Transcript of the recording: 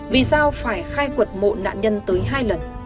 vì sao phải khai quật mộ nạn nhân tới hai lần